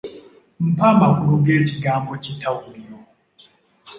Mpa amakulu g'ekigambo kitawuliro?